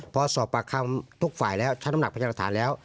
พอสอบประคัมทุกฝ่ายแล้วชั้นน้ำหนักประชาธารแล้ว